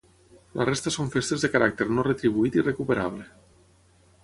La resta són festes de caràcter no retribuït i recuperable.